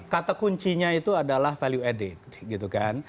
kata kuncinya itu adalah value added gitu kan